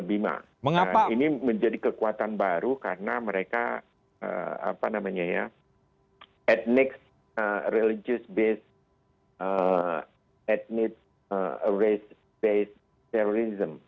ini menjadi kekuatan baru karena mereka etnis religius etnis ras terorisme